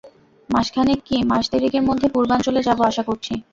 মাসখানেক কি মাস-দেড়েকর মধ্যে পূর্বাঞ্চলে যাব, আশা করছি।